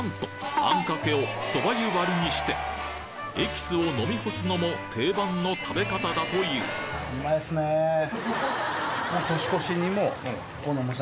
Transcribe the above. あんかけをそば湯割りにしてエキスを飲み干すのも定番の食べ方だと言うそうなんですか。